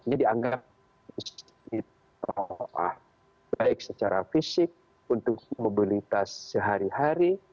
jadi anggap baik secara fisik untuk mobilitas sehari hari